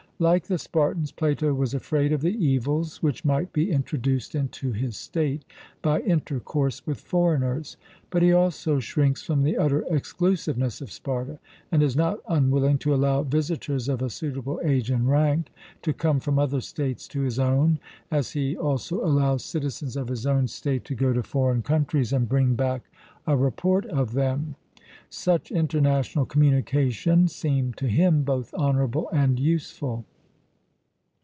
Like the Spartans, Plato was afraid of the evils which might be introduced into his state by intercourse with foreigners; but he also shrinks from the utter exclusiveness of Sparta, and is not unwilling to allow visitors of a suitable age and rank to come from other states to his own, as he also allows citizens of his own state to go to foreign countries and bring back a report of them. Such international communication seemed to him both honourable and useful.